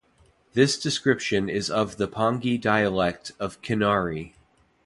This description is of the Pangi dialect of Kinnauri.